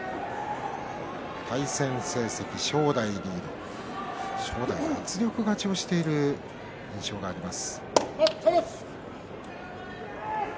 対戦成績正代が圧力勝ちをしている印象があります。